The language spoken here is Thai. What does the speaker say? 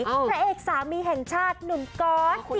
อ้าวคุณฮอตเราไงนะพระเอกสามีแห่งชาติหนุนก๊อต